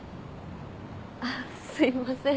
あっすいません